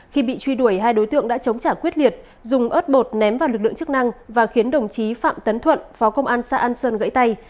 khi bị truy đuổi hai đối tượng đã chống trả quyết liệt dùng ớt bột ném vào lực lượng chức năng và khiến đồng chí phạm tấn thuận phó công an xã an sơn gãy tay